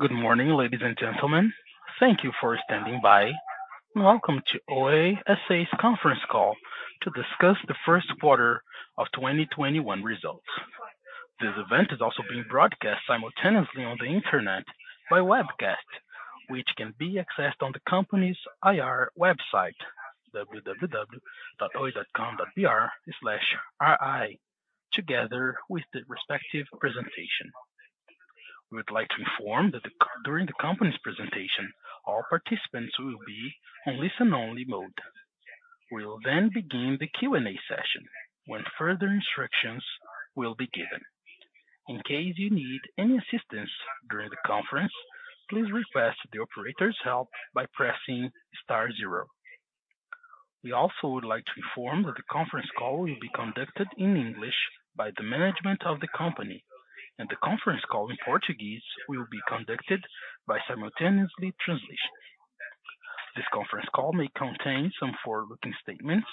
Good morning, ladies and gentlemen. Thank you for standing by. Welcome to Oi S.A.'s conference call to discuss the first quarter of 2021 results. This event is also being broadcast simultaneously on the internet by webcast, which can be accessed on the company's IR website, www.oi.com.br/ri, together with the respective presentation. We would like to inform that during the company's presentation, all participants will be on listen-only mode. We will then begin the Q&A session, when further instructions will be given. In case you need any assistance during the conference, please request the operator's help by pressing star zero. We also would like to inform that the conference call will be conducted in English by the management of the company, and the conference call in Portuguese will be conducted by simultaneous translation. This conference call may contain some forward-looking statements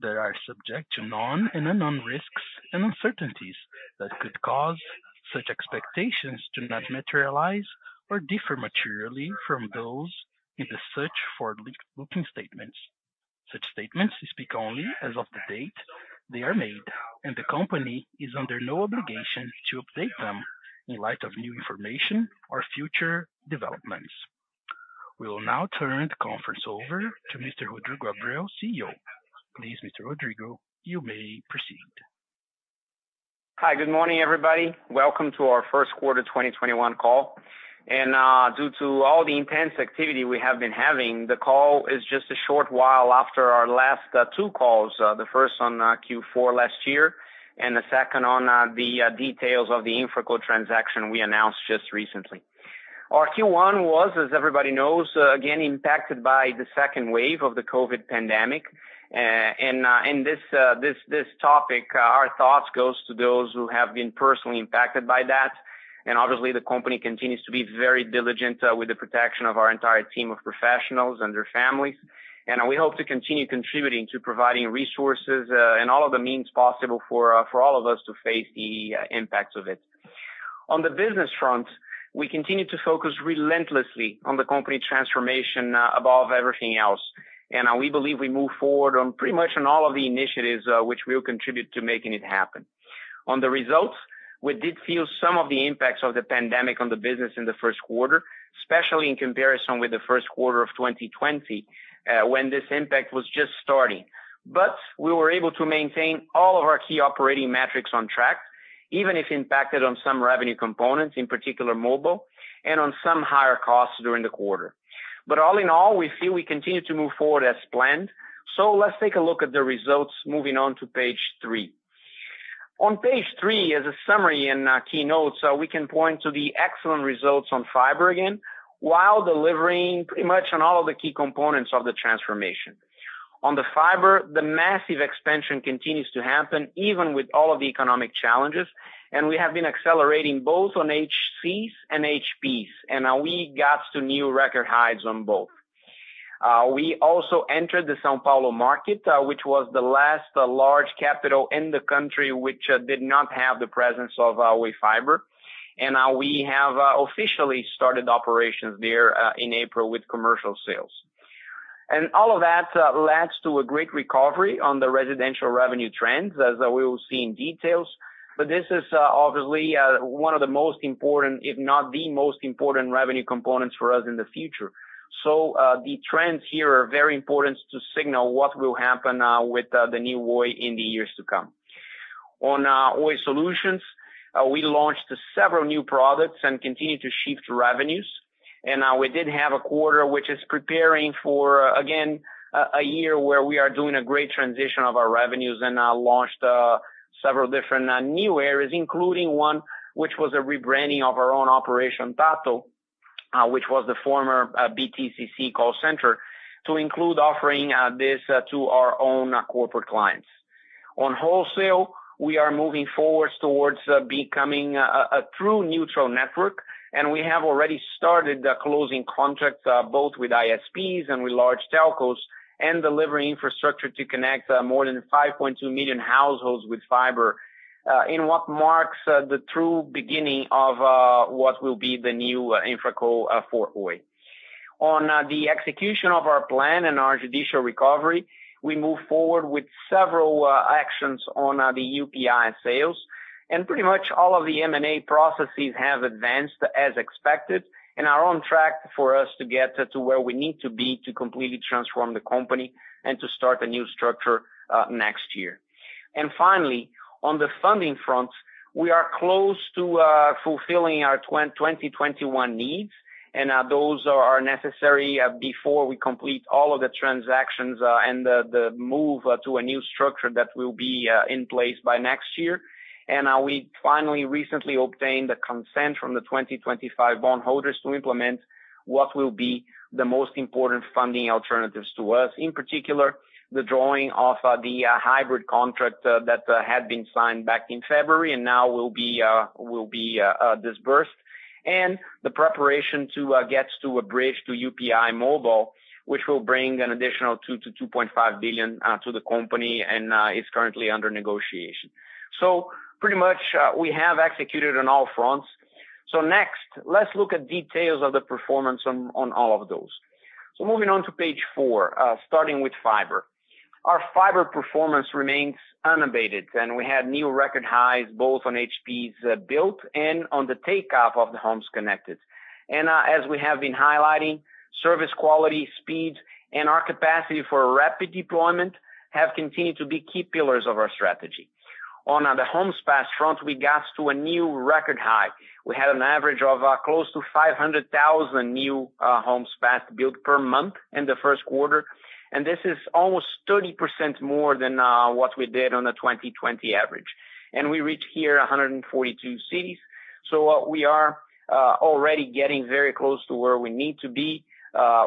that are subject to known and unknown risks and uncertainties that could cause such expectations to not materialize or differ materially from those in the search for forward-looking statements. Such statements speak only as of the date they are made, and the company is under no obligation to update them in light of new information or future developments. We will now turn the conference over to Mr. Rodrigo Abreu, CEO. Please, Mr. Rodrigo, you may proceed. Hi. Good morning, everybody. Welcome to our first quarter 2021 call. Due to all the intense activity we have been having, the call is just a short while after our last two calls, the first on Q4 last year, and the second on the details of the InfraCo transaction we announced just recently. Our Q1 was, as everybody knows, again impacted by the second wave of the COVID pandemic. This topic, our thoughts goes to those who have been personally impacted by that. Obviously, the company continues to be very diligent with the protection of our entire team of professionals and their families. We hope to continue contributing to providing resources and all of the means possible for all of us to face the impacts of it. On the business front, we continue to focus relentlessly on the company transformation above everything else. We believe we move forward on pretty much on all of the initiatives which will contribute to making it happen. On the results, we did feel some of the impacts of the pandemic on the business in the first quarter, especially in comparison with the first quarter of 2020, when this impact was just starting. We were able to maintain all of our key operating metrics on track, even if impacted on some revenue components, in particular mobile, and on some higher costs during the quarter. All in all, we feel we continue to move forward as planned. Let's take a look at the results moving on to page three. On page three is a summary and key notes, so we can point to the excellent results on fiber again, while delivering pretty much on all of the key components of the transformation. On the fiber, the massive expansion continues to happen, even with all of the economic challenges. We have been accelerating both on HCs and HPs, and we got to new record highs on both. We also entered the São Paulo market, which was the last large capital in the country, which did not have the presence of Oi Fibra. We have officially started operations there in April with commercial sales. All of that leads to a great recovery on the residential revenue trends, as we will see in details. This is obviously one of the most important, if not the most important revenue components for us in the future. The trends here are very important to signal what will happen with the New Oi in the years to come. On Oi Soluções, we launched several new products and continued to shift revenues. We did have a quarter which is preparing for, again, a year where we are doing a great transition of our revenues and launched several different new areas, including one which was a rebranding of our own Operation Tahto, which was the former BTCC call center, to include offering this to our own corporate clients. On wholesale, we are moving forward towards becoming a true neutral network, and we have already started closing contracts both with ISPs and with large telcos, and delivering infrastructure to connect more than 5.2 million households with fiber, in what marks the true beginning of what will be the new InfraCo for Oi. On the execution of our plan and our judicial recovery, we move forward with several actions on the UPI sales. Pretty much all of the M&A processes have advanced as expected and are on track for us to get to where we need to be to completely transform the company and to start a new structure next year. Finally, on the funding front, we are close to fulfilling our 2021 needs, and those are necessary before we complete all of the transactions and the move to a new structure that will be in place by next year. We finally recently obtained the consent from the 2025 bond holders to implement what will be the most important funding alternatives to us, in particular, the drawing of the hybrid contract that had been signed back in February and now will be disbursed. The preparation to get to a bridge to UPI Mobile, which will bring an additional 2 billion-2.5 billion to the company and is currently under negotiation. Pretty much we have executed on all fronts. Next, let's look at details of the performance on all of those. Moving on to page four, starting with fiber. Our fiber performance remains unabated, and we had new record highs both on HPs built and on the take-up of the homes connected. As we have been highlighting, service quality, speeds, and our capacity for rapid deployment have continued to be key pillars of our strategy. On the homes passed front, we got to a new record high. We had an average of close to 500,000 new homes passed built per month in the first quarter, and this is almost 30% more than what we did on the 2020 average. We reached here 142 cities. We are already getting very close to where we need to be,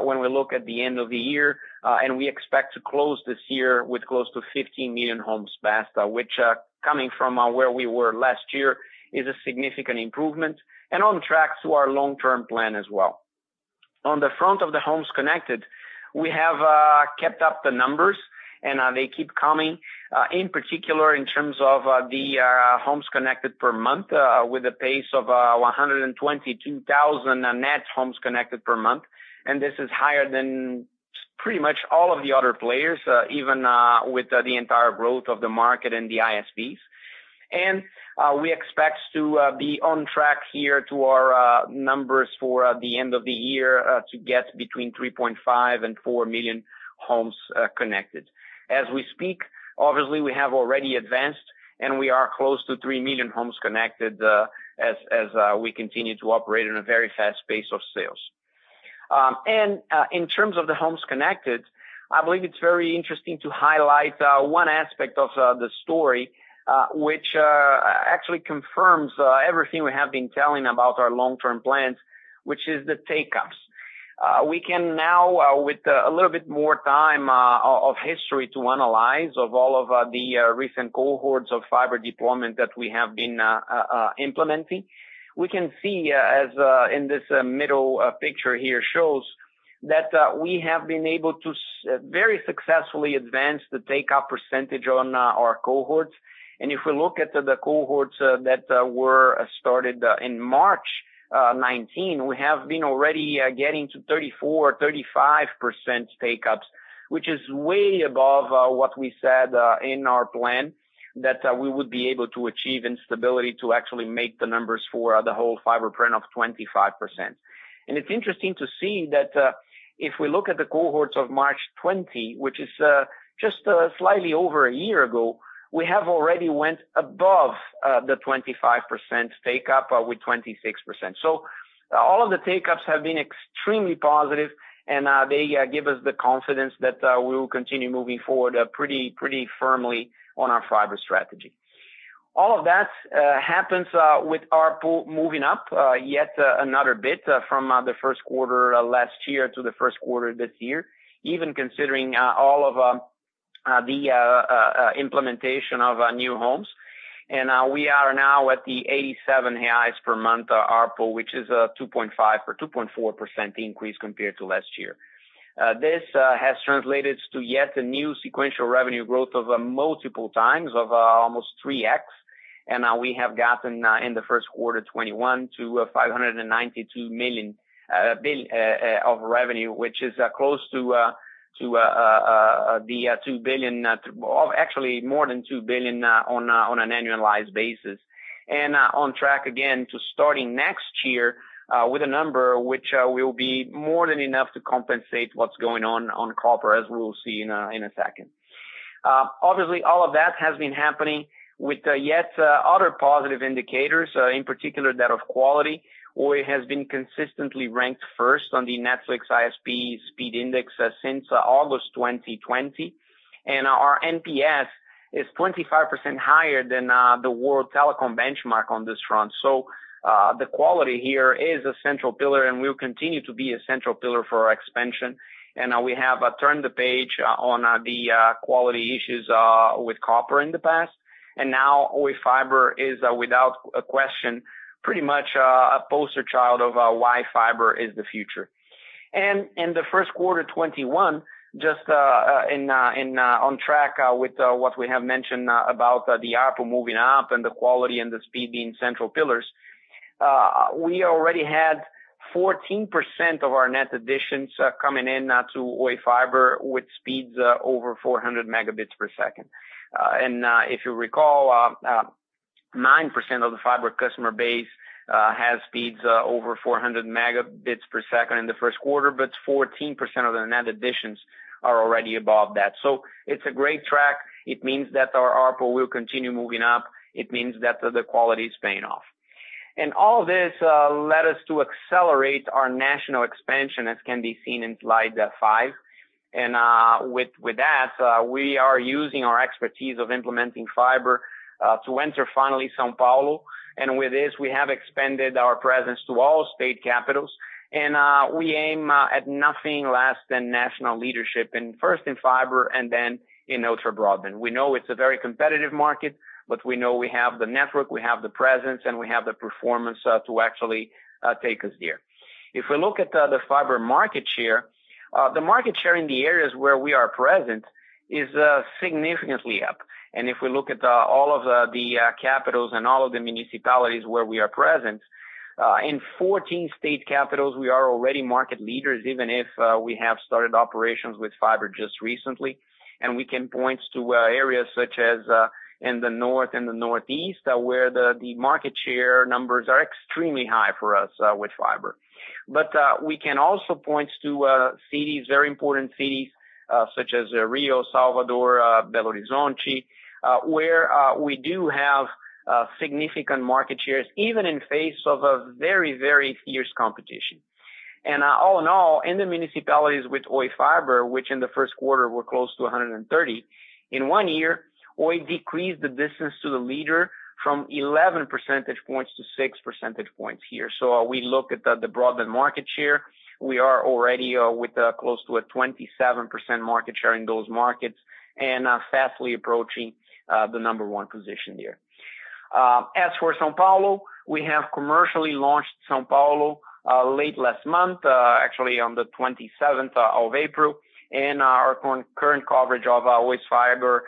when we look at the end of the year. We expect to close this year with close to 15 million homes passed, which, coming from where we were last year, is a significant improvement and on track to our long-term plan as well. On the front of the homes connected, we have kept up the numbers, and they keep coming, in particular in terms of the homes connected per month, with a pace of 122,000 net homes connected per month. This is higher than pretty much all of the other players, even with the entire growth of the market and the ISPs. We expect to be on track here to our numbers for the end of the year to get between 3.5 and 4 million homes connected. As we speak, obviously we have already advanced, we are close to 3 million homes connected as we continue to operate in a very fast pace of sales. In terms of the homes connected, I believe it's very interesting to highlight one aspect of the story, which actually confirms everything we have been telling about our long-term plans, which is the take-ups. We can now, with a little bit more time of history to analyze of all of the recent cohorts of fiber deployment that we have been implementing. We can see, as in this middle picture here shows, that we have been able to very successfully advance the take-up percentage on our cohorts. If we look at the cohorts that were started in March 2019, we have been already getting to 34%-35% take-ups, which is way above what we said in our plan that we would be able to achieve in stability to actually make the numbers for the whole fiber print of 25%. It's interesting to see that if we look at the cohorts of March 2020, which is just slightly over a year ago, we have already went above the 25% take-up with 26%. All of the take-ups have been extremely positive, and they give us the confidence that we will continue moving forward pretty firmly on our fiber strategy. All of that happens with ARPU moving up yet another bit from the first quarter last year to the first quarter this year, even considering all of the implementation of new homes. We are now at the 87 reais per month ARPU, which is a 2.5% or 2.4% increase compared to last year. This has translated to yet a new sequential revenue growth of multiple times of almost 3x. We have gotten, in Q1 2021, to 592 million of revenue, which is close to 2 billion, actually more than 2 billion on an annualized basis. On track again to starting next year with a number which will be more than enough to compensate what's going on on copper, as we will see in a second. Obviously, all of that has been happening with yet other positive indicators, in particular that of quality. Oi has been consistently ranked first on the Netflix ISP Speed Index since August 2020. Our NPS is 25% higher than the world telecom benchmark on this front. The quality here is a central pillar and will continue to be a central pillar for our expansion. We have turned the page on the quality issues with copper in the past. Now Oi Fibra is, without a question, pretty much a poster child of why fiber is the future. In Q1 2021, just on track with what we have mentioned about the ARPU moving up and the quality and the speed being central pillars. We already had 14% of our net additions coming in to Oi Fibra with speeds over 400 Mbps. If you recall, 9% of the fiber customer base has speeds over 400 Mbps in the first quarter, but 14% of the net additions are already above that. It's a great track. It means that our ARPU will continue moving up. It means that the quality is paying off. All this led us to accelerate our national expansion, as can be seen in slide five. With that, we are using our expertise of implementing fiber to enter finally São Paulo. With this, we have expanded our presence to all state capitals. We aim at nothing less than national leadership in first, in fiber, and then in ultra broadband. We know it's a very competitive market, but we know we have the network, we have the presence, and we have the performance to actually take us there. If we look at the fiber market share, the market share in the areas where we are present is significantly up. If we look at all of the capitals and all of the municipalities where we are present, in 14 state capitals, we are already market leaders, even if we have started operations with Fibra just recently. We can point to areas such as in the north and the northeast, where the market share numbers are extremely high for us with Fibra. We can also point to cities, very important cities, such as Rio, Salvador, Belo Horizonte, where we do have significant market shares, even in face of a very, very fierce competition. All in all, in the municipalities with Oi Fibra, which in the first quarter were close to 130, in one year, Oi decreased the distance to the leader from 11 percentage points to 6 percentage points here. We look at the broadband market share. We are already with close to a 27% market share in those markets and are fastly approaching the number one position there. As for São Paulo, we have commercially launched São Paulo late last month, actually on the 27th of April, and our current coverage of Oi Fibra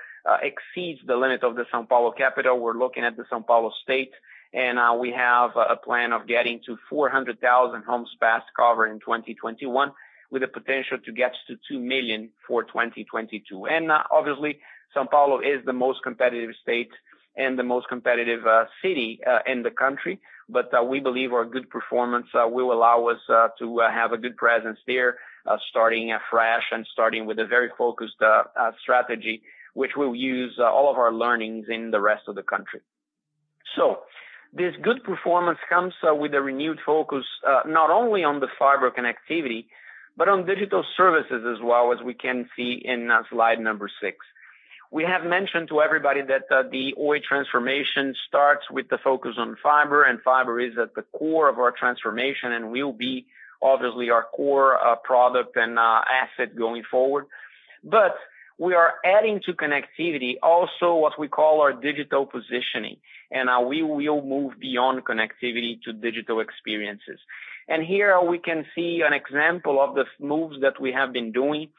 exceeds the limit of the São Paulo capital. We're looking at the São Paulo state, we have a plan of getting to 400,000 homes passed cover in 2021, with the potential to get to 2 million for 2022. Obviously, São Paulo is the most competitive state and the most competitive city in the country. We believe our good performance will allow us to have a good presence there, starting afresh and starting with a very focused strategy, which will use all of our learnings in the rest of the country. This good performance comes with a renewed focus, not only on the fiber connectivity, but on digital services as well, as we can see in slide number six. We have mentioned to everybody that the Oi transformation starts with the focus on fiber, and fiber is at the core of our transformation and will be obviously our core product and asset going forward. We are adding to connectivity also what we call our digital positioning. We will move beyond connectivity to digital experiences. Here we can see an example of the moves that we have been doing,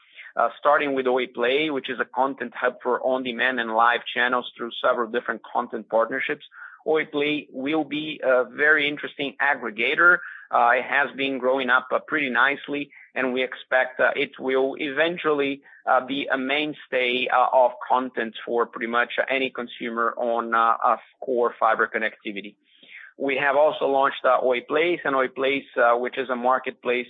starting with Oi Play, which is a content hub for on-demand and live channels through several different content partnerships. Oi Play will be a very interesting aggregator. It has been growing up pretty nicely, and we expect it will eventually be a mainstay of content for pretty much any consumer on a core fiber connectivity. We have also launched Oi Place, and Oi Place, which is a marketplace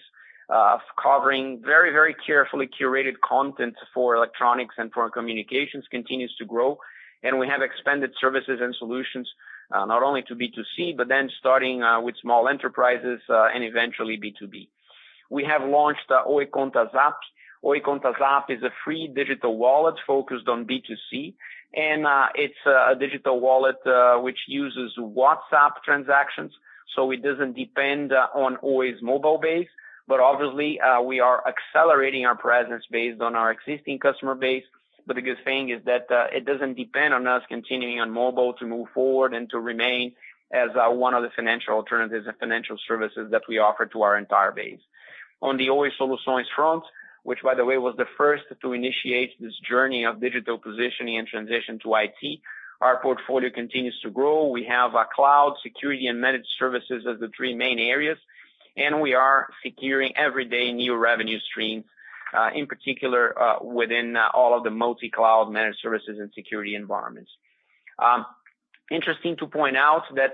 covering very carefully curated content for electronics and for communications, continues to grow. We have expanded services and solutions, not only to B2C, but then starting with small enterprises, and eventually B2B. We have launched Oi Conta Zap. Oi Conta Zap is a free digital wallet focused on B2C, and it's a digital wallet which uses WhatsApp transactions, so it doesn't depend on Oi's mobile base. Obviously, we are accelerating our presence based on our existing customer base. The good thing is that it doesn't depend on us continuing on mobile to move forward and to remain as one of the financial alternatives and financial services that we offer to our entire base. On the Oi Soluções front, which, by the way, was the first to initiate this journey of digital positioning and transition to IT, our portfolio continues to grow. We have cloud, security, and managed services as the three main areas, and we are securing every day new revenue streams, in particular within all of the multi-cloud managed services and security environments. Interesting to point out that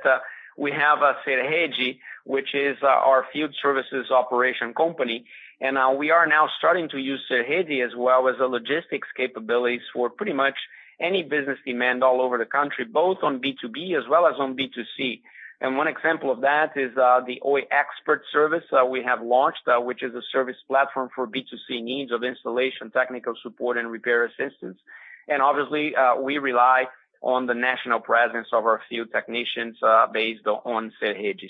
we have Serede, which is our field services operation company, and we are now starting to use Serede as well as the logistics capabilities for pretty much any business demand all over the country, both on B2B as well as on B2C. One example of that is the Oi Expert service we have launched, which is a service platform for B2C needs of installation, technical support, and repair assistance. Obviously, we rely on the national presence of our field technicians based on Serede.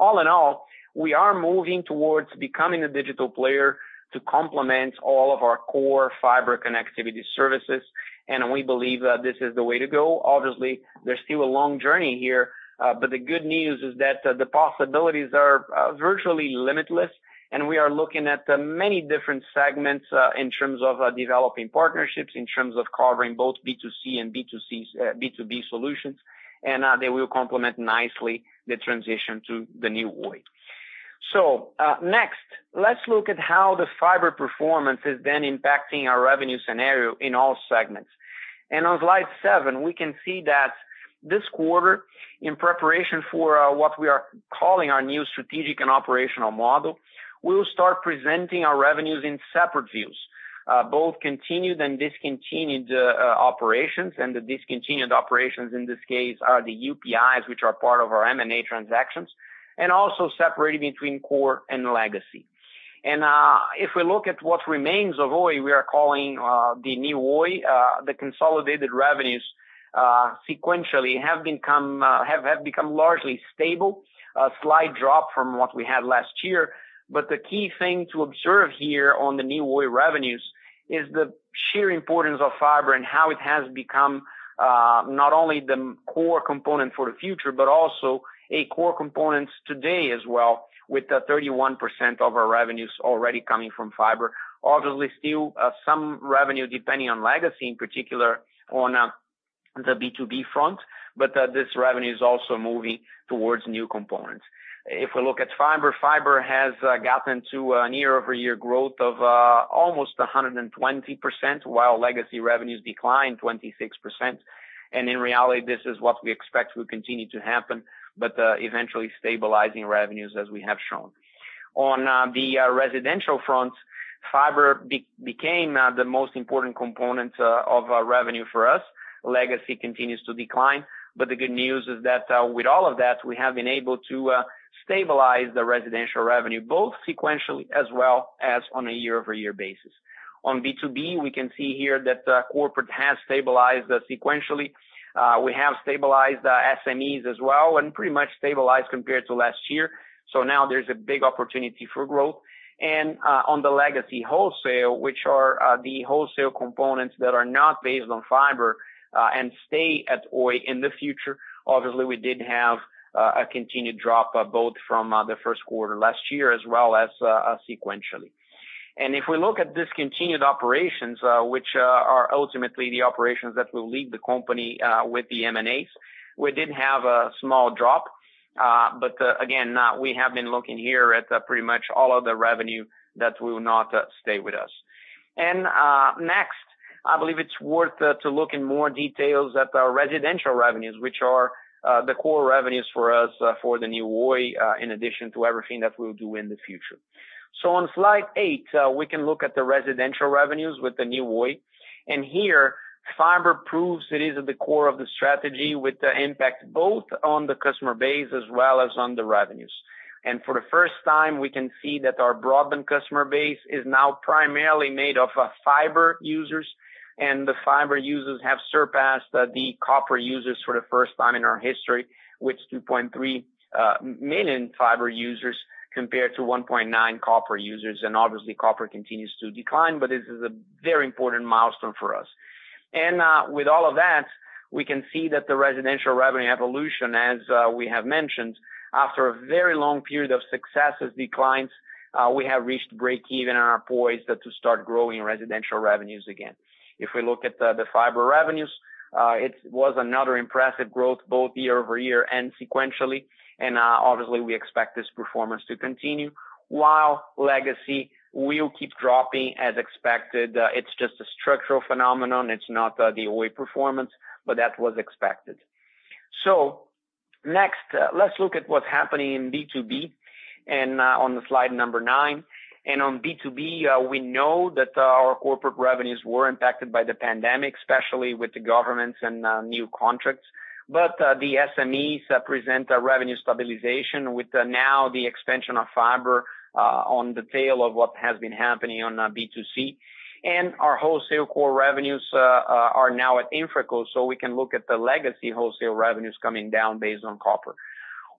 All in all, we are moving towards becoming a digital player to complement all of our core fiber connectivity services, and we believe that this is the way to go. Obviously, there's still a long journey here, but the good news is that the possibilities are virtually limitless, and we are looking at many different segments in terms of developing partnerships, in terms of covering both B2C and B2B solutions, and they will complement nicely the transition to the New Oi. Next, let's look at how the fiber performance has been impacting our revenue scenario in all segments. On slide seven, we can see that this quarter, in preparation for what we are calling our new strategic and operational model, we will start presenting our revenues in separate views, both continued and discontinued operations, and the discontinued operations in this case are the UPIs, which are part of our M&A transactions, and also separated between core and legacy. If we look at what remains of Oi, we are calling the New Oi, the consolidated revenues. Sequentially have become largely stable. A slight drop from what we had last year. The key thing to observe here on the New Oi revenues is the sheer importance of fiber and how it has become, not only the core component for the future, but also a core component today as well, with the 31% of our revenues already coming from fiber. Obviously, still some revenue depending on legacy, in particular on the B2B front, but this revenue is also moving towards new components. If we look at fiber has gotten to a YoY growth of almost 120%, while legacy revenues declined 26%. In reality, this is what we expect will continue to happen, but eventually stabilizing revenues as we have shown. On the residential front, fiber became the most important component of our revenue for us. Legacy continues to decline, but the good news is that with all of that, we have been able to stabilize the residential revenue, both sequentially as well as on a YoY basis. On B2B, we can see here that corporate has stabilized sequentially. We have stabilized SMEs as well, and pretty much stabilized compared to last year. Now there's a big opportunity for growth. On the legacy wholesale, which are the wholesale components that are not based on fiber and stay at Oi in the future. Obviously, we did have a continued drop, both from the first quarter last year as well as sequentially. If we look at discontinued operations, which are ultimately the operations that will leave the company with the M&As, we did have a small drop. Again, we have been looking here at pretty much all of the revenue that will not stay with us. Next, I believe it's worth to look in more details at our residential revenues, which are the core revenues for us for the New Oi, in addition to everything that we'll do in the future. On slide eight, we can look at the residential revenues with the New Oi. Here, fiber proves it is at the core of the strategy with the impact both on the customer base as well as on the revenues. For the first time, we can see that our broadband customer base is now primarily made of fiber users, and the fiber users have surpassed the copper users for the first time in our history, with 2.3 million fiber users compared to 1.9 copper users. Obviously, copper continues to decline, but this is a very important milestone for us. With all of that, we can see that the residential revenue evolution, as we have mentioned, after a very long period of successive declines, we have reached breakeven and are poised to start growing residential revenues again. If we look at the fiber revenues, it was another impressive growth, both YoY and sequentially. Obviously, we expect this performance to continue, while legacy will keep dropping as expected. It's just a structural phenomenon. It's not the Oi performance, but that was expected. Next, let's look at what's happening in B2B on slide number nine. On B2B, we know that our corporate revenues were impacted by the pandemic, especially with the governments and new contracts. The SMEs present a revenue stabilization with now the expansion of fiber on the tail of what has been happening on B2C. Our wholesale core revenues are now at InfraCo, so we can look at the legacy wholesale revenues coming down based on copper.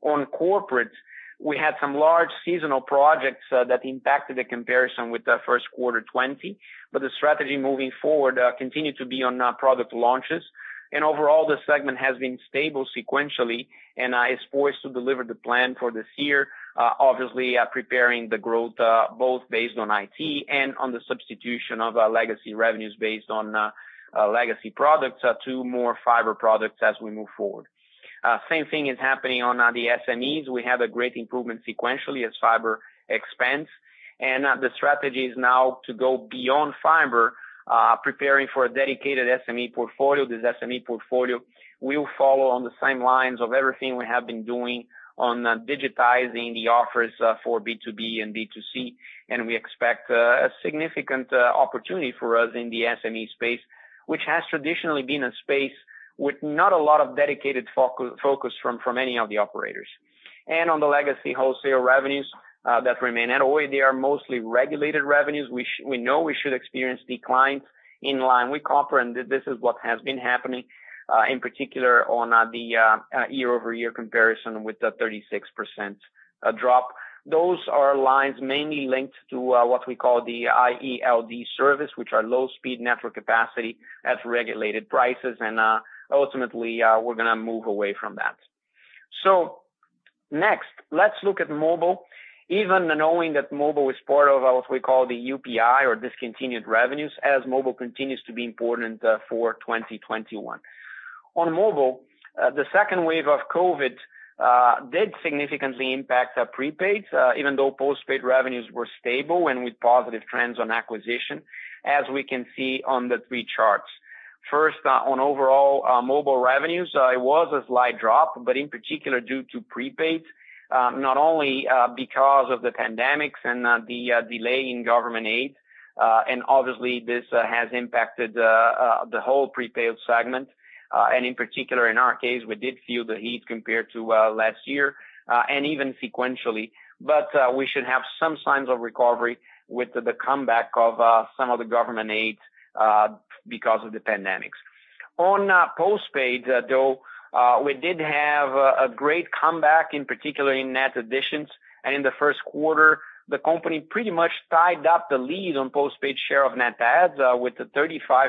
On corporate, we had some large seasonal projects that impacted the comparison with the first quarter 2020, but the strategy moving forward continued to be on product launches. Overall, the segment has been stable sequentially and is poised to deliver the plan for this year. Obviously, preparing the growth both based on IT and on the substitution of our legacy revenues based on legacy products to more fiber products as we move forward. Same thing is happening on the SMEs. We have a great improvement sequentially as fiber expands. The strategy is now to go beyond fiber, preparing for a dedicated SME portfolio. This SME portfolio will follow on the same lines of everything we have been doing on digitizing the offers for B2B and B2C, and we expect a significant opportunity for us in the SME space, which has traditionally been a space with not a lot of dedicated focus from any of the operators. On the legacy wholesale revenues that remain at Oi, they are mostly regulated revenues. We know we should experience declines in line with copper. This is what has been happening, in particular on the YoY comparison with the 36% drop. Those are lines mainly linked to what we call the EILD service, which are low-speed network capacity at regulated prices. Ultimately, we're going to move away from that. Next, let's look at mobile. Even knowing that mobile is part of what we call the UPI, or discontinued revenues, as mobile continues to be important for 2021. On mobile, the second wave of COVID did significantly impact prepaids, even though postpaid revenues were stable and with positive trends on acquisition, as we can see on the three charts. First, on overall mobile revenues, it was a slight drop, in particular due to prepaids, not only because of the pandemics and the delay in government aid. Obviously, this has impacted the whole prepaid segment. In particular, in our case, we did feel the heat compared to last year, and even sequentially. We should have some signs of recovery with the comeback of some of the government aid because of the pandemics. On postpaid though, we did have a great comeback, in particular in net additions. In the first quarter, the company pretty much tied up the lead on postpaid share of net adds with the 35%,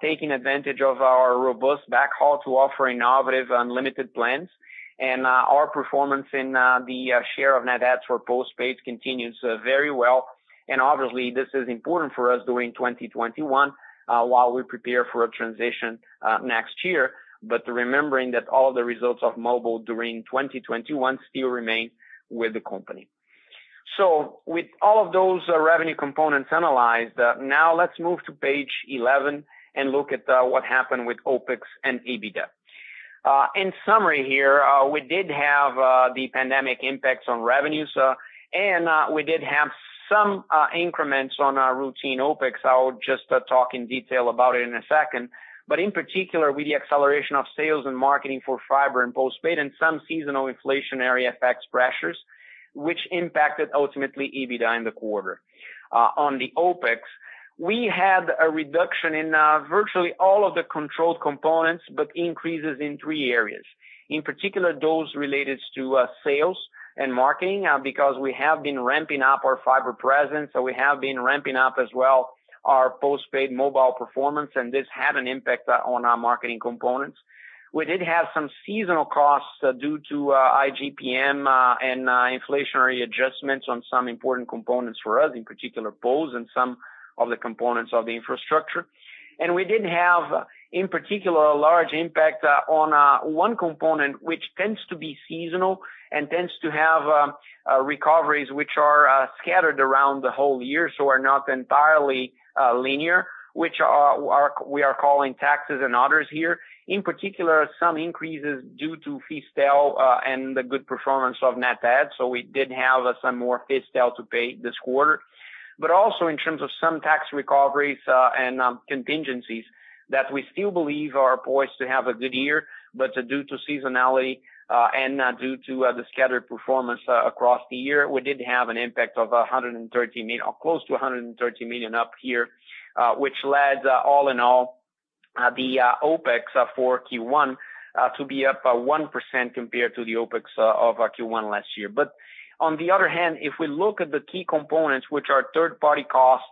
taking advantage of our robust backhaul to offer innovative unlimited plans. Our performance in the share of net adds for postpaid continues very well. Obviously this is important for us during 2021, while we prepare for a transition next year. Remembering that all the results of mobile during 2021 still remain with the company. With all of those revenue components analyzed, now let's move to page 11 and look at what happened with OpEx and EBITDA. In summary here, we did have the pandemic impacts on revenues, and we did have some increments on our routine OpEx. I will just talk in detail about it in a second. In particular, with the acceleration of sales and marketing for fiber and postpaid and some seasonal inflationary effects pressures, which impacted ultimately EBITDA in the quarter. On the OpEx, we had a reduction in virtually all of the controlled components, but increases in three areas. In particular, those related to sales and marketing, because we have been ramping up our fiber presence, so we have been ramping as well our postpaid mobile performance, and this had an impact on our marketing components. We did have some seasonal costs due to IGPM, and inflationary adjustments on some important components for us, in particular poles and some of the components of the infrastructure. We did have, in particular, a large impact on one component, which tends to be seasonal and tends to have recoveries which are scattered around the whole year, so are not entirely linear, which we are calling taxes and others here. In particular, some increases due to Fistel, and the good performance of net adds. We did have some more Fistel to pay this quarter. Also in terms of some tax recoveries, and contingencies that we still believe are poised to have a good year. Due to seasonality, and due to the scattered performance across the year, we did have an impact of close to 130 million up here. Which led all in all, the OpEx for Q1 to be up 1% compared to the OpEx of Q1 last year. On the other hand, if we look at the key components, which are third-party costs,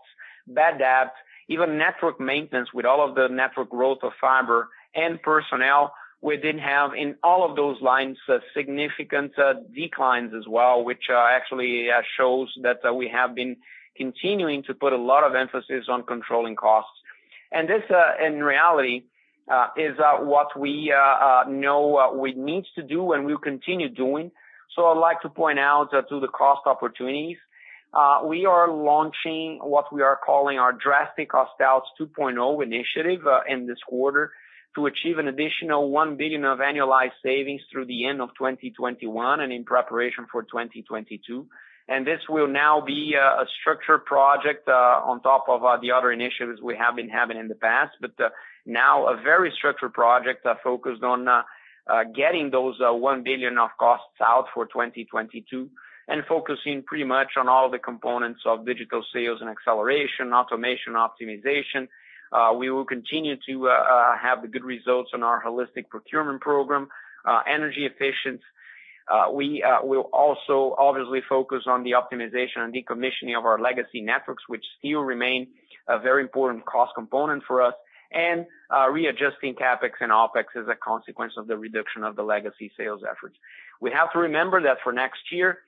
bad debt, even network maintenance with all of the network growth of fiber and personnel, we did have in all of those lines, significant declines as well, which actually shows that we have been continuing to put a lot of emphasis on controlling costs. This, in reality, is what we know we need to do and will continue doing. I'd like to point out to the cost opportunities. We are launching what we are calling our Drastic Cost Outs 2.0 initiative in this quarter to achieve an additional 1 billion of annualized savings through the end of 2021 and in preparation for 2022. This will now be a structured project, on top of the other initiatives we have been having in the past. Now a very structured project focused on getting those 1 billion of costs out for 2022 and focusing pretty much on all the components of digital sales and acceleration, automation optimization. We will continue to have good results on our holistic procurement program, energy efficiency. We will also obviously focus on the optimization and decommissioning of our legacy networks, which still remain a very important cost component for us, and readjusting CapEx and OpEx as a consequence of the reduction of the legacy sales efforts. We have to remember that for next year,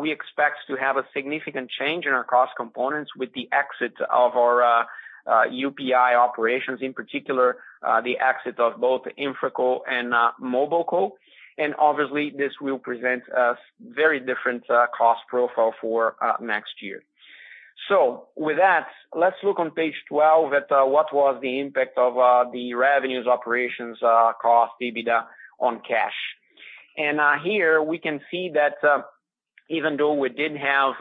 we expect to have a significant change in our cost components with the exit of our UPI operations, in particular, the exit of both InfraCo and MobileCo. Obviously, this will present a very different cost profile for next year. With that, let's look on page 12 at what was the impact of the revenues, operations, cost, EBITDA on cash. Here we can see that even though we did have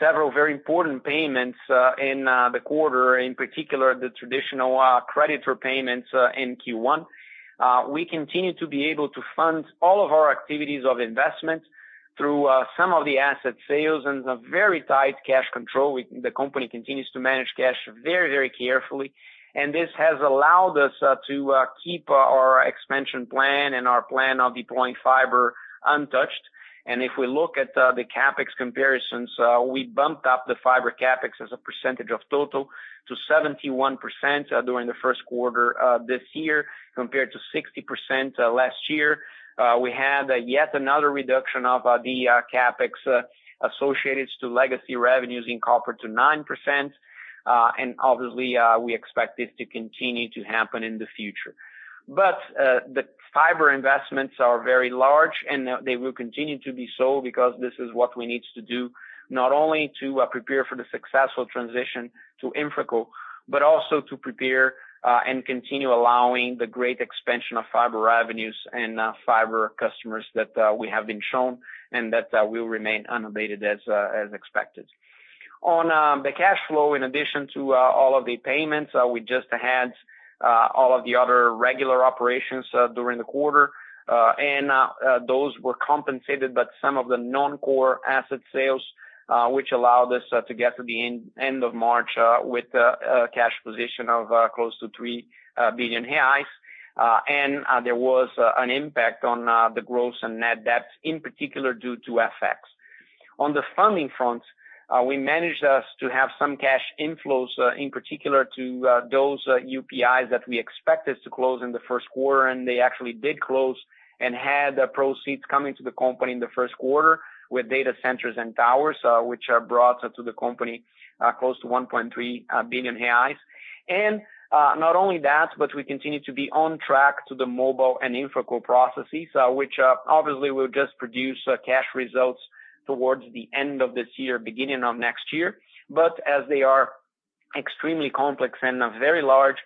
several very important payments in the quarter, in particular the traditional creditor payments in Q1, we continue to be able to fund all of our activities of investment through some of the asset sales and a very tight cash control. The company continues to manage cash very carefully, and this has allowed us to keep our expansion plan and our plan of deploying fiber untouched. If we look at the CapEx comparisons, we bumped up the fiber CapEx as a percentage of total to 71% during the first quarter of this year, compared to 60% last year. We had yet another reduction of the CapEx associated to legacy revenues in copper to 9%. Obviously, we expect this to continue to happen in the future. The fiber investments are very large, and they will continue to be so because this is what we need to do, not only to prepare for the successful transition to InfraCo, but also to prepare and continue allowing the great expansion of fiber revenues and fiber customers that we have been shown and that will remain unabated as expected. On the cash flow, in addition to all of the payments, we just had all of the other regular operations during the quarter. Those were compensated by some of the non-core asset sales, which allowed us to get to the end of March with a cash position of close to 3 billion reais. There was an impact on the gross and net debt, in particular, due to FX. On the funding front, we managed to have some cash inflows, in particular to those UPIs that we expected to close in the first quarter, and they actually did close and had proceeds coming to the company in the first quarter with data centers and towers, which brought to the company close to 1.3 billion reais. Not only that, we continue to be on track to the mobile and InfraCo processes, which obviously will just produce cash results towards the end of this year, beginning of next year. As they are extremely complex and very large,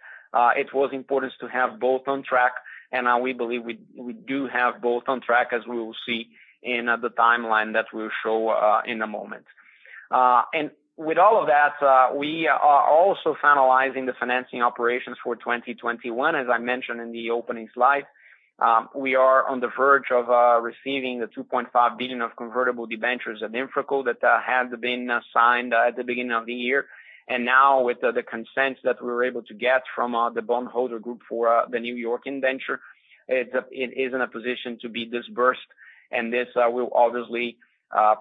it was important to have both on track. We believe we do have both on track as we will see in the timeline that we'll show in a moment. With all of that, we are also finalizing the financing operations for 2021. As I mentioned in the opening slide, we are on the verge of receiving the 2.5 billion of convertible debentures at InfraCo that had been signed at the beginning of the year. Now with the consent that we were able to get from the bondholder group for the New York indenture, it is in a position to be disbursed. This will obviously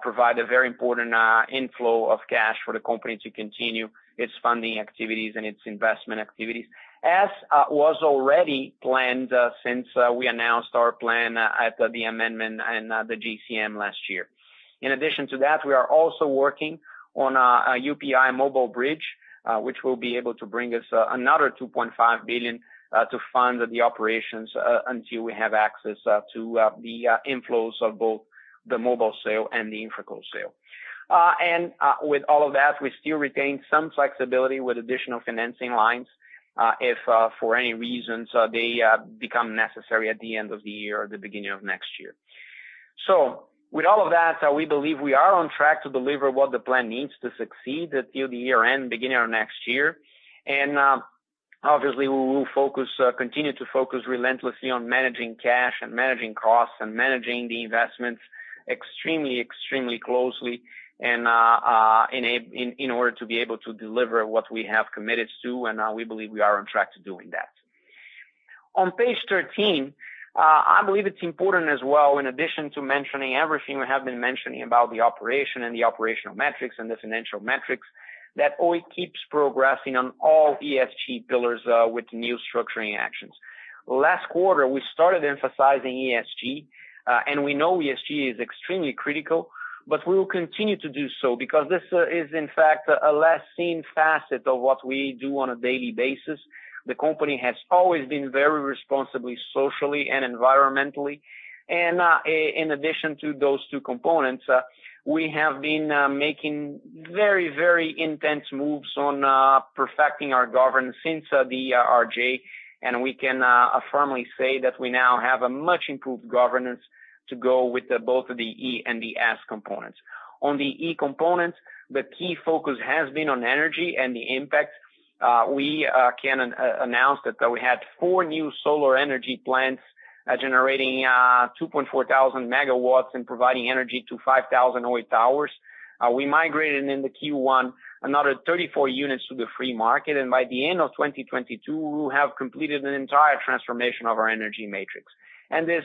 provide a very important inflow of cash for the company to continue its funding activities and its investment activities, as was already planned since we announced our plan at the amendment and the GCM last year. In addition to that, we are also working on a UPI mobile bridge, which will be able to bring us another 2.5 billion to fund the operations until we have access to the inflows of both the mobile sale and the InfraCo sale. With all of that, we still retain some flexibility with additional financing lines, if for any reason, they become necessary at the end of the year or the beginning of next year. With all of that, we believe we are on track to deliver what the plan needs to succeed until the year-end, beginning of next year. Obviously we will continue to focus relentlessly on managing cash and managing costs and managing the investments extremely closely in order to be able to deliver what we have committed to, and we believe we are on track to doing that. On page 13, I believe it is important as well, in addition to mentioning everything we have been mentioning about the operation and the operational metrics and the financial metrics, that Oi keeps progressing on all ESG pillars with new structuring actions. Last quarter, we started emphasizing ESG, and we know ESG is extremely critical, but we will continue to do so because this is in fact a less seen facet of what we do on a daily basis. The company has always been very responsible socially and environmentally. In addition to those two components, we have been making very, very intense moves on perfecting our governance since the RJ. We can firmly say that we now have a much improved governance to go with both the E and the S components. On the E components, the key focus has been on energy and the impact. We can announce that we had four new solar energy plants generating 2,400 MW and providing energy to 5,000 Oi towers. We migrated into Q1 another 34 units to the free market, and by the end of 2022, we will have completed an entire transformation of our energy matrix. This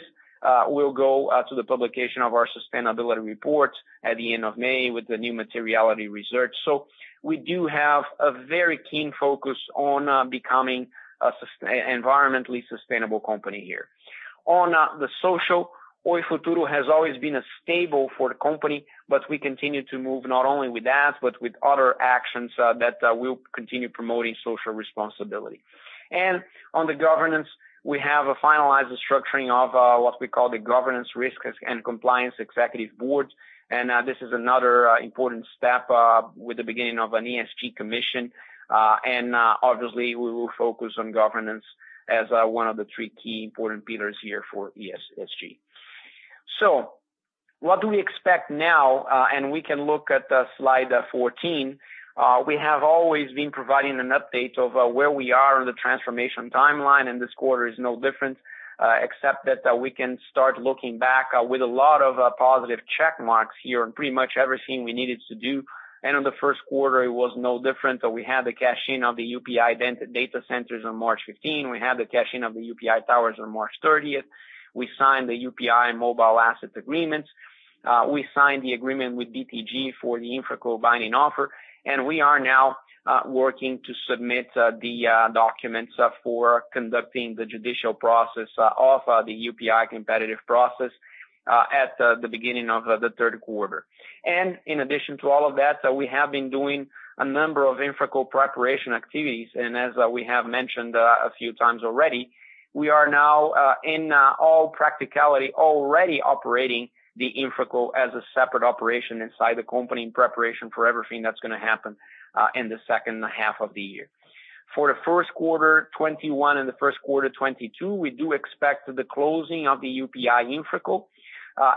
will go to the publication of our sustainability report at the end of May with the new materiality research. We do have a very keen focus on becoming an environmentally sustainable company here. On the social, Oi Futuro has always been a staple for the company, but we continue to move not only with that, but with other actions that will continue promoting social responsibility. On the governance, we have a finalized structuring of what we call the Governance Risk and Compliance Executive Board. This is another important step with the beginning of an ESG commission. Obviously, we will focus on governance as one of the three key important pillars here for ESG. What do we expect now? We can look at the slide 14. We have always been providing an update of where we are in the transformation timeline, and this quarter is no different, except that we can start looking back with a lot of positive check marks here on pretty much everything we needed to do. In the first quarter, it was no different. We had the cash-in of the UPI data centers on March 15th. We had the cash-in of the UPI towers on March 30th. We signed the UPI mobile asset agreements. We signed the agreement with BTG for the InfraCo binding offer. We are now working to submit the documents for conducting the judicial process of the UPI competitive process at the beginning of the third quarter. In addition to all of that, we have been doing a number of InfraCo preparation activities. As we have mentioned a few times already, we are now, in all practicality, already operating the InfraCo as a separate operation inside the company in preparation for everything that's going to happen in the second half of the year. For the first quarter 2021 and the first quarter 2022, we do expect the closing of the UPI InfraCo,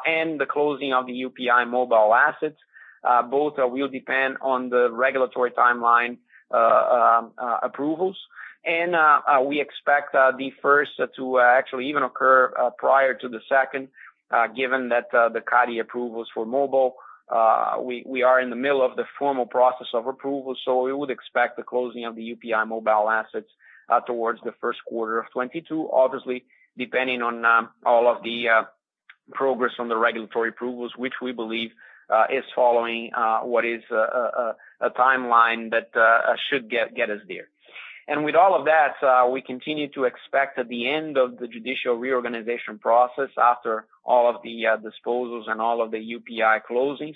and the closing of the UPI mobile assets. Both will depend on the regulatory timeline approvals. We expect the first to actually even occur prior to the second, given that the CADE approvals for mobile. We are in the middle of the formal process of approval, so we would expect the closing of the UPI mobile assets towards the first quarter of 2022, obviously depending on all of the progress on the regulatory approvals, which we believe is following what is a timeline that should get us there. With all of that, we continue to expect at the end of the judicial reorganization process, after all of the disposals and all of the UPI closings,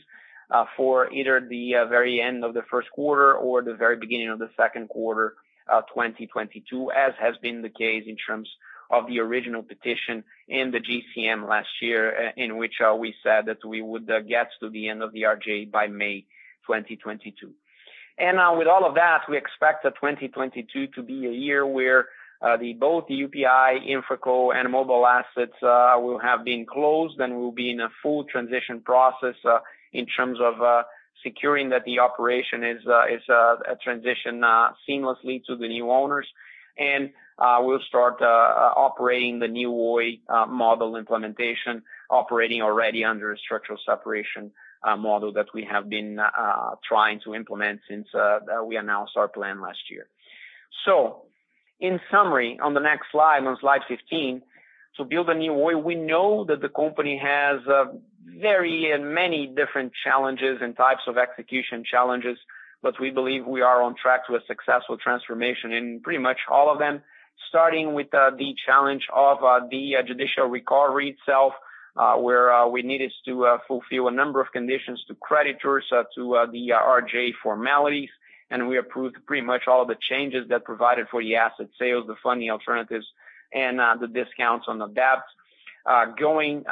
for either the very end of the first quarter or the very beginning of the second quarter of 2022, as has been the case in terms of the original petition in the GCM last year, in which we said that we would get to the end of the RJ by May 2022. With all of that, we expect 2022 to be a year where both the UPI, InfraCo, and mobile assets will have been closed and will be in a full transition process in terms of securing that the operation is transitioned seamlessly to the new owners. We'll start operating the New Oi model implementation, operating already under a structural separation model that we have been trying to implement since we announced our plan last year. In summary, on the next slide, on slide 15, to build a New Oi. We know that the company has very and many different challenges and types of execution challenges, but we believe we are on track to a successful transformation in pretty much all of them. Starting with the challenge of the judicial reorganization itself, where we needed to fulfill a number of conditions to creditors, to the RJ formalities, and we approved pretty much all of the changes that provided for the asset sales, the funding alternatives, and the discounts on the debt. Going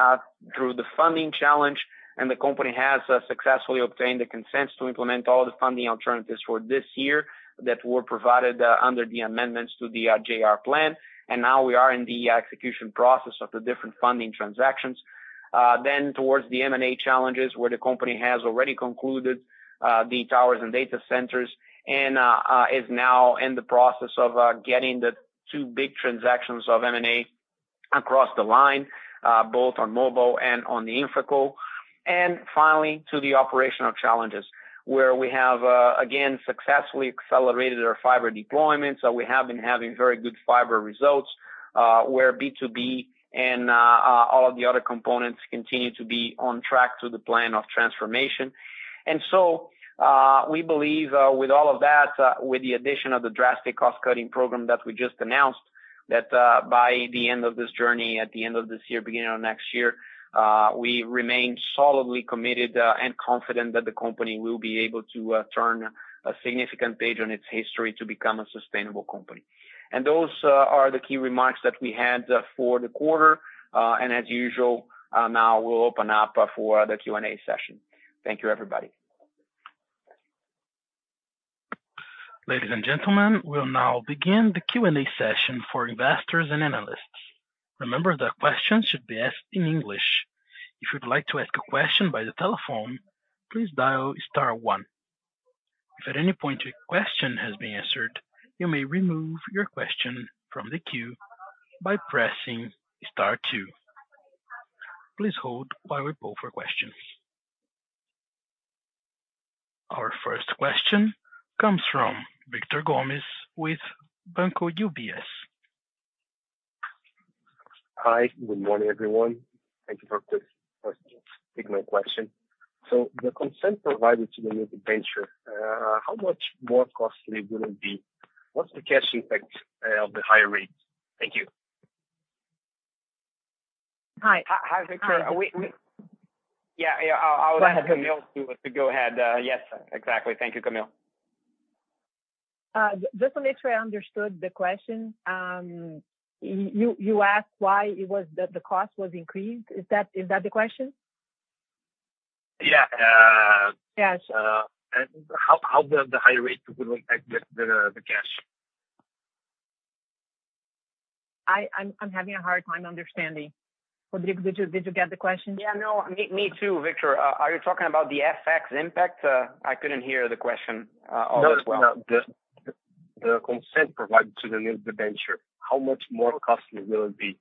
through the funding challenge, and the company has successfully obtained the consents to implement all the funding alternatives for this year that were provided under the amendments to the RJ Plan. Now we are in the execution process of the different funding transactions. Towards the M&A challenges, where the company has already concluded the towers and data centers, and is now in the process of getting the two big transactions of M&A across the line, both on MobileCo and on the InfraCo. Finally, to the operational challenges, where we have, again, successfully accelerated our fiber deployment. We have been having very good fiber results, where B2B and all of the other components continue to be on track to the plan of transformation. We believe with all of that, with the addition of the drastic cost-cutting program that we just announced, that by the end of this journey, at the end of this year, beginning of next year, we remain solidly committed and confident that the company will be able to turn a significant page on its history to become a sustainable company. Those are the key remarks that we had for the quarter. As usual now, we'll open up for the Q&A session. Thank you, everybody. Ladies and gentlemen, we'll now begin the Q&A session for investors and analysts. Remember that questions should be asked in English. If you would like to ask a question by the telephone, please dial star one. If at any point your question has been answered you may remove your question from the queue by pressing star two. Please hold while we wait for questions. Our first question comes from Victor Gomes with UBS. Hi. Good morning, everyone. Thank you for this. Take my question. The consent provided to the new debenture, how much more costly will it be? What's the cash impact of the higher rates? Thank you. Hi. Hi, Victor. Yeah. I'll ask Camila to go ahead. Yes, exactly. Thank you, Camila. Just to make sure I understood the question. You asked why the cost was increased? Is that the question? Yeah. Yes. How the higher rates will impact the cash. I'm having a hard time understanding. Rodrigo, did you get the question? Yeah, no, me too, Victor. Are you talking about the FX impact? I couldn't hear the question all that well. No. The consent provided to the new debenture, how much more costly will it be?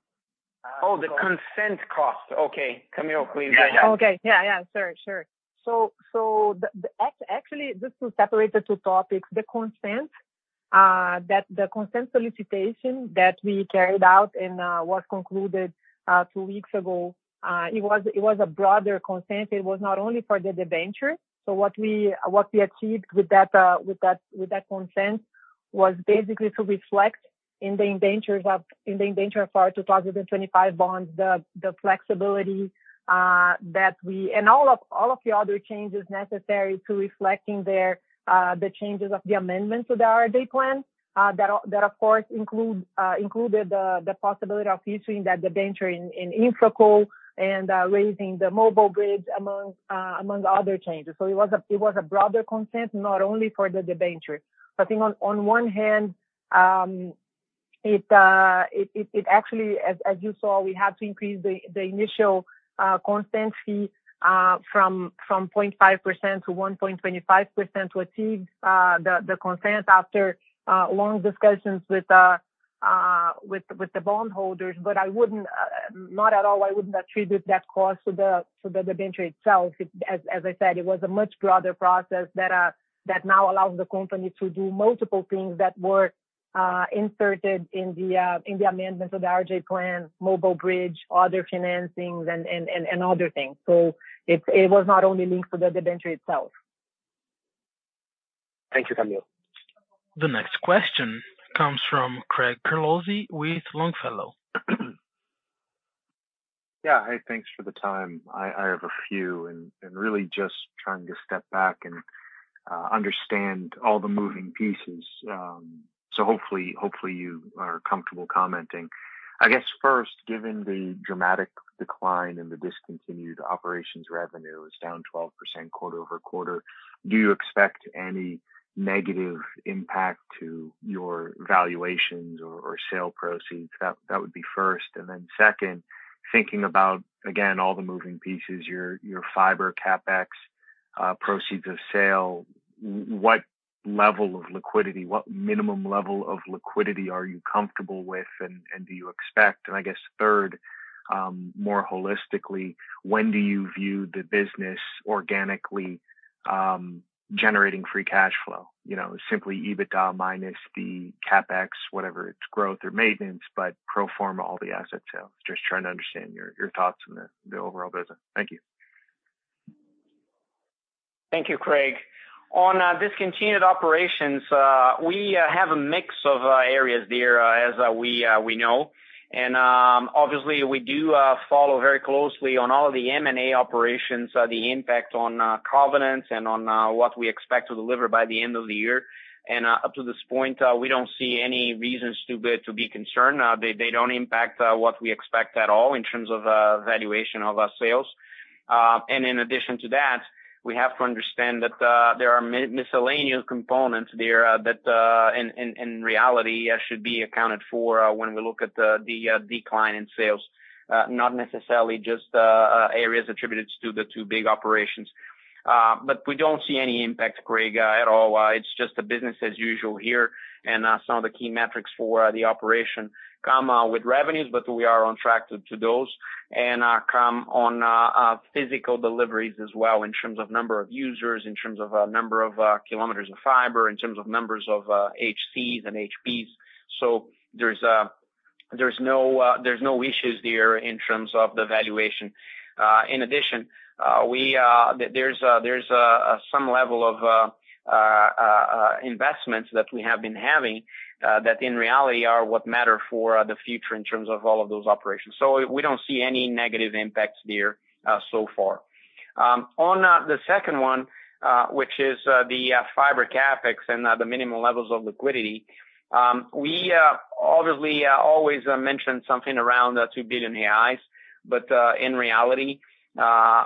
Oh, the consent cost. Okay. Camila, please. Okay. Yeah. Sure. Actually, just to separate the two topics. The consent solicitation that we carried out and was concluded two weeks ago, it was a broader consent. It was not only for the debenture. What we achieved with that consent was basically to reflect in the indentures of our 2025 bonds, the flexibility, and all of the other changes necessary to reflecting the changes of the amendments of the RJ Plan. That of course, included the possibility of issuing that debenture in InfraCo and raising the mobile bridge, among other changes. It was a broader consent, not only for the debenture. It actually, as you saw, we had to increase the initial consent fee from 0.5%-1.25% to achieve the consent after long discussions with the bondholders. Not at all, I wouldn't attribute that cost to the debenture itself. As I said, it was a much broader process that now allows the company to do multiple things that were inserted in the amendments of the RJ Plan, mobile bridge, other financings, and other things. It was not only linked to the debenture itself. Thank you, Camila. The next question comes from Craig Pirtle with Longfellow. Yeah. Hey, thanks for the time. I have a few, really just trying to step back and understand all the moving pieces. Hopefully, you are comfortable commenting. I guess, first, given the dramatic decline in the discontinued operations revenue is down 12% QoQ, do you expect any negative impact to your valuations or sale proceeds? That would be first. Then second, thinking about, again, all the moving pieces, your fiber CapEx proceeds of sale, what level of liquidity, what minimum level of liquidity are you comfortable with, and do you expect? I guess third, more holistically, when do you view the business organically generating free cash flow? Simply EBITDA minus the CapEx, whatever its growth or maintenance, but pro forma all the asset sales. Just trying to understand your thoughts on the overall business. Thank you. Thank you, Craig. On discontinued operations, we have a mix of areas there as we know. Obviously, we do follow very closely on all of the M&A operations, the impact on covenants, and on what we expect to deliver by the end of the year. Up to this point, we don't see any reasons to be concerned. They don't impact what we expect at all in terms of valuation of our sales. In addition to that, we have to understand that there are miscellaneous components there that, in reality, should be accounted for when we look at the decline in sales. Not necessarily just areas attributed to the two big operations. We don't see any impact, Craig, at all. It's just a business as usual here. Some of the key metrics for the operation come with revenues, we are on track to those, come on physical deliveries as well in terms of number of users, in terms of number of kilometers of fiber, in terms of numbers of HCs and HPs. There's no issues there in terms of the valuation. In addition, there's some level of investments that we have been having, that in reality are what matter for the future in terms of all of those operations. We don't see any negative impacts there so far. On the second one, which is the fiber CapEx and the minimum levels of liquidity. We obviously always mention something around 2 billion reais. In reality,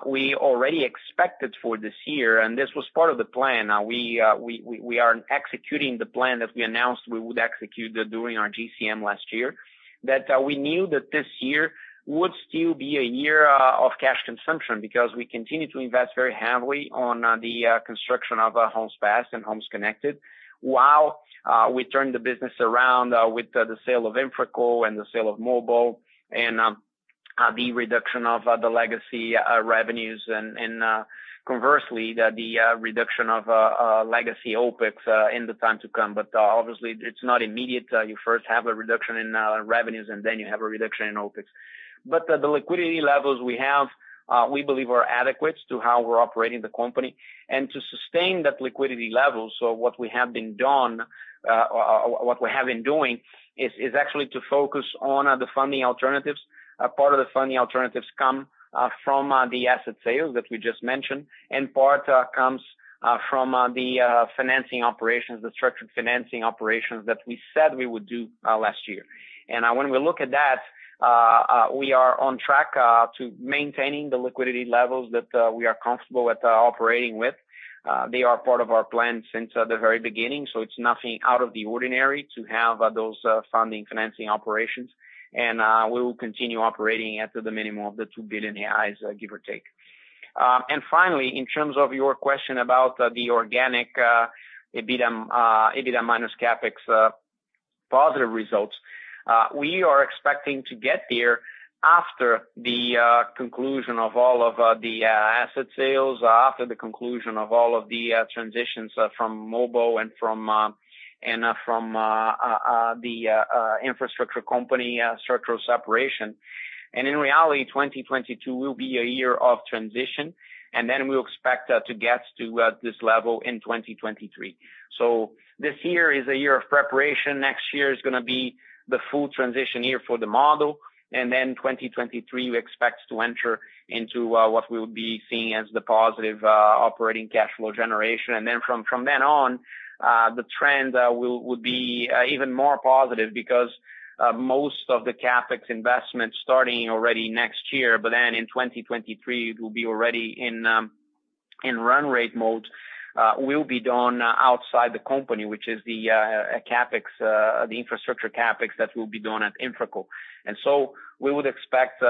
we already expected for this year, this was part of the plan. We are executing the plan that we announced we would execute during our GCM last year. That we knew that this year would still be a year of cash consumption because we continue to invest very heavily on the construction of Homes Passed and Homes Connected, while we turn the business around with the sale of InfraCo and the sale of Mobile and the reduction of the legacy revenues and conversely, the reduction of legacy OpEx in the time to come. Obviously, it's not immediate. You first have a reduction in revenues, and then you have a reduction in OpEx. The liquidity levels we have, we believe are adequate to how we're operating the company. To sustain that liquidity levels, what we have been doing is actually to focus on the funding alternatives. Part of the funding alternatives come from the asset sales that we just mentioned, Part comes from the financing operations, the structured financing operations that we said we would do last year. When we look at that, we are on track to maintaining the liquidity levels that we are comfortable operating with. They are part of our plan since the very beginning, It's nothing out of the ordinary to have those funding financing operations. We will continue operating at the minimum of the 2 billion reais, give or take. Finally, in terms of your question about the organic EBITDA minus CapEx positive results. We are expecting to get there after the conclusion of all of the asset sales, after the conclusion of all of the transitions from Mobile and from the infrastructure company structural separation. In reality, 2022 will be a year of transition, we'll expect to get to this level in 2023. This year is a year of preparation. Next year is going to be the full transition year for the model. 2023, we expect to enter into what we'll be seeing as the positive operating cash flow generation. From then on, the trend would be even more positive because most of the CapEx investments starting already next year, in 2023, it will be already in run rate mode, will be done outside the company, which is the infrastructure CapEx that will be done at InfraCo. We would expect,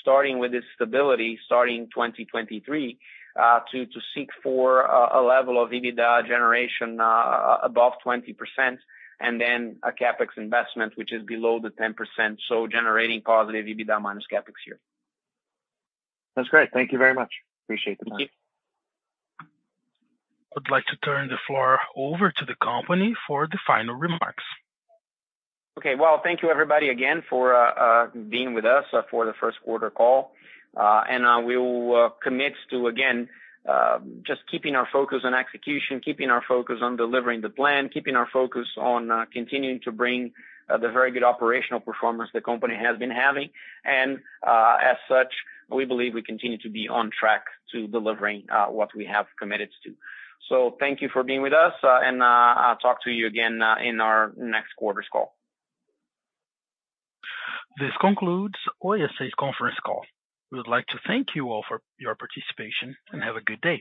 starting with this stability, starting 2023, to seek for a level of EBITDA generation above 20%, a CapEx investment, which is below the 10%, generating positive EBITDA minus CapEx here. That's great. Thank you very much. Appreciate the time. Thank you. Would like to turn the floor over to the company for the final remarks. Okay. Well, thank you everybody again for being with us for the first quarter call. We will commit to, again, just keeping our focus on execution, keeping our focus on delivering the plan, keeping our focus on continuing to bring the very good operational performance the company has been having. As such, we believe we continue to be on track to delivering what we have committed to. Thank you for being with us, and I'll talk to you again in our next quarter's call. This concludes Oi S.A.'s conference call. We would like to thank you all for your participation, and have a good day.